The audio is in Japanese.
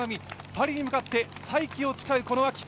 パリに向かって再起を誓う走り。